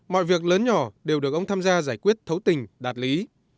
mọi việc lớn nhỏ đều được ông tham gia giải quyết thấu tình đạt lý